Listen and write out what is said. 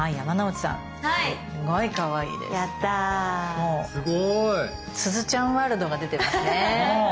もうすずちゃんワールドが出てますね。